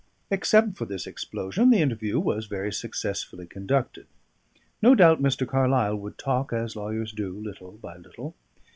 Except for this explosion the interview was very successfully conducted. No doubt Mr. Carlyle would talk, as lawyers do, little by little.